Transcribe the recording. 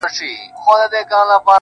ه یاره دا زه څه اورمه، څه وینمه~